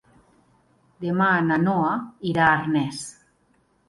Demà na Noa irà a Arnes.